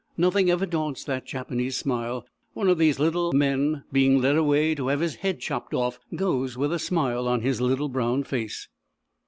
Nothing ever daunts that Japanese smile. One of these little men, being led away to have his head chopped off, goes with a smile on his little brown face.